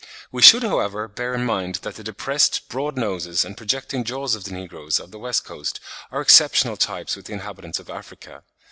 We should, however, bear in mind that the depressed, broad noses and projecting jaws of the negroes of the West Coast are exceptional types with the inhabitants of Africa.